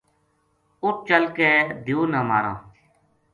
اُت چل کے دیو نا ماراں ‘‘